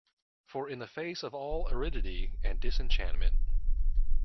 For in the face of all aridity and disenchantment